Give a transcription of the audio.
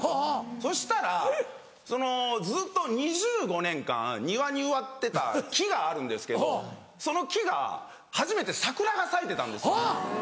そしたらずっと２５年間庭に植わってた木があるんですけどその木が初めて桜が咲いてたんですよ。